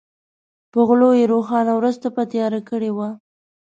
په غلو یې روښانه ورځ تپه تیاره کړې وه.